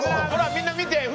ほらみんな見て。